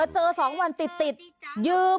เจอ๒วันติดยืม